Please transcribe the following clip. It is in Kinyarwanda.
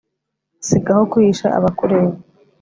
sigaho kwihisha abakureba